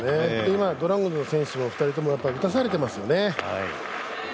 今、ドラゴンズの選手も２人ともやっぱり、打たされていますよね。